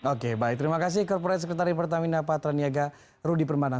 oke baik terima kasih korp sekretari pertamina pak traniaga rudi permana